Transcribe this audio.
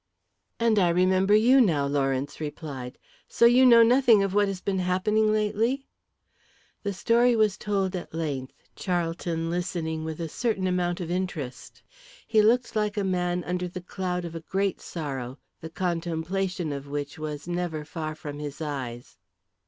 "And I remember you now," Lawrence replied. "So you know nothing of what has been happening lately?" The story was told at length, Charlton listening with a certain amount of interest. He looked like a man under the cloud of a great sorrow, the contemplation of which was never far from his eyes.